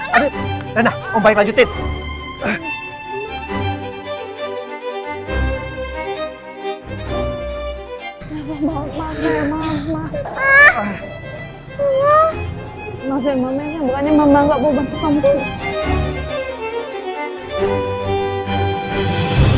masih memenangnya bukannya mama gak bawa bantuan kamu ke rumah